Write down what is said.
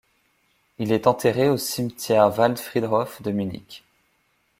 Il est enterré au cimetière Waldfriedhof de Munich.